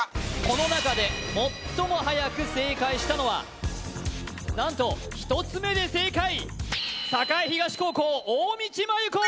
この中で最もはやく正解したのは何と１つ目で正解栄東高校大道麻優子！